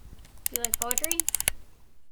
You like poetry?